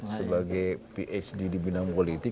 sebagai phd di bidang politik